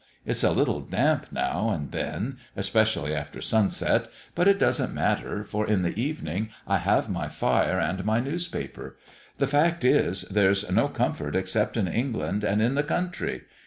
It's a little damp now and then especially after sunset but it doesn't matter; for in the evening I have my fire and my newspaper. The fact is, there's no comfort except in England, and in the country!